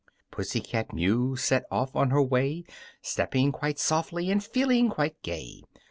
_" PUSSY CAT MEW set off on her way, Stepping quite softly and feeling quite gay.